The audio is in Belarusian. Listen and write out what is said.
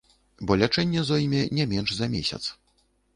Бо лячэнне зойме не менш за месяц.